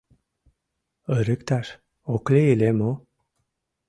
Ырыкташ ок лий ыле мо?